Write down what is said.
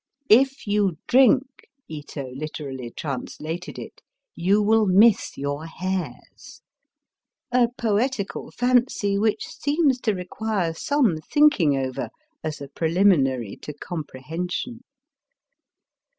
*' If you drink," Ito literally translated it^ " you will miss your hairs," a poetical fancy which seems to require some thinking over as a preliminary to comprehension.